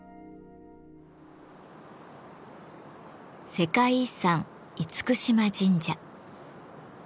世界遺産・厳島神社。